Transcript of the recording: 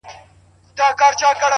هره هڅه د بدلون څپه خپروي؛